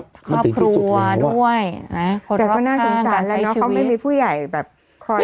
ครอบครัวด้วยนะแต่ก็น่าสงสารแล้วเนอะเขาไม่มีผู้ใหญ่แบบคอย